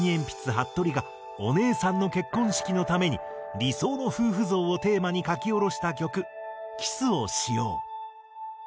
はっとりがお姉さんの結婚式のために理想の夫婦像をテーマに書き下ろした曲『キスをしよう』。